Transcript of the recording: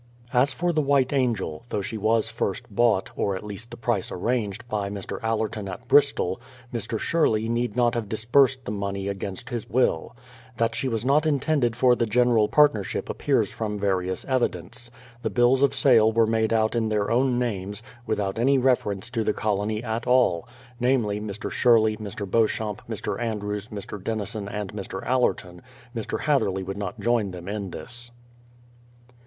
As for the White Angel, though she was first bought, or at least the price arranged, by Mr. Allerton at Bristol, Mr. Sherley need not have disbursed the money against his will. That she was not intended for the general part THE PLYMOUTH SETTLEMENT 233 nership appears from various evidence. The bills of sale were made out in their own names, without any reference to the colony at all ; namely, Mr. Sherley, Mr. Beauchamp, Mr. Andrews, Mr. Denison, and Mr. Allerton, — Mr. Hatherley would not join them in this.